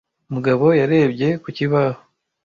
Mugabo yarebye ku kibaho